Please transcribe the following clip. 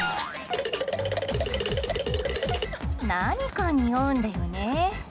何か、におうんだよね。